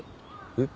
えっ？